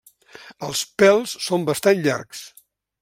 Els pèls són bastant llargs.